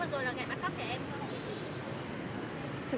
thật ra là